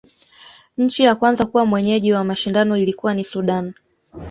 nchi ya kwanza kuwa mwenyeji wa mashindano ilikua ni sudan